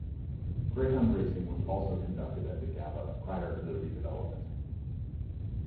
Greyhound racing was also conducted at the Gabba prior to the redevelopment.